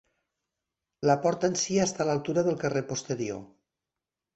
La porta en si està a l'altura del carrer posterior.